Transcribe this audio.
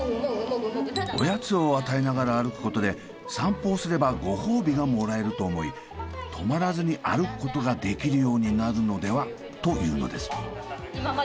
おやつを与えながら歩くことで散歩をすればご褒美がもらえると思い止まらずに歩くことができるようになるのではというのです。